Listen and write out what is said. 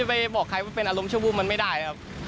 ไปบอกใครว่าเป็นอารมณชั่ววูบมันไม่ได้ครับ